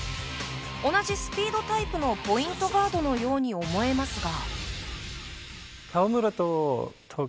同じスピードタイプのポイントガードのように思えますが。